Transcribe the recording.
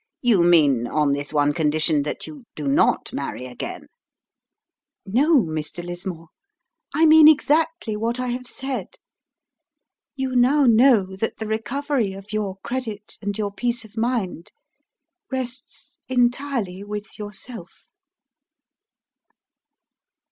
"You mean on this one condition, that you do not marry again?" "No, Mr. Lismore; I mean exactly what I have said. You now know that the recovery of your credit and your peace of mind rests entirely with yourself."